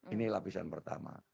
ini lapisan pertama